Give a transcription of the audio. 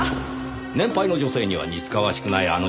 年配の女性には似つかわしくない